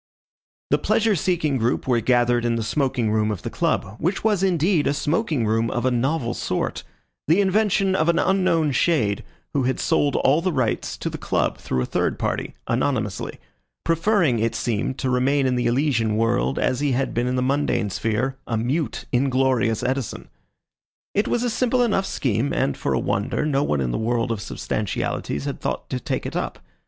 The pleasure seeking group were gathered in the smoking room of the club, which was, indeed, a smoking room of a novel sort, the invention of an unknown shade, who had sold all the rights to the club through a third party, anonymously, preferring, it seemed, to remain in the Elysian world, as he had been in the mundane sphere, a mute inglorious Edison. It was a simple enough scheme, and, for a wonder, no one in the world of substantialities has thought to take it up.